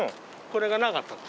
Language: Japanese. これがなかったの。